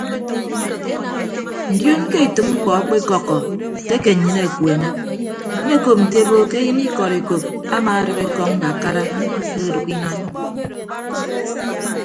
Ndion ke etәk mkpọ akpekọkkọ ke ake nnyịn akueñe mmekop nte ebo ke eyịn ikọd ekop amaadʌk ekọñ mbakara ke ọdʌk inan.